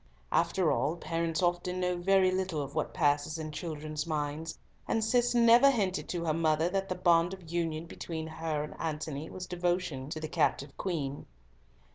After all, parents often know very little of what passes in children's minds, and Cis never hinted to her mother that the bond of union between her and Antony was devotion to the captive Queen.